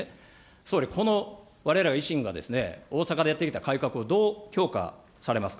総理、このわれわれ維新が、大阪でやってきた改革を、どう評価されますか。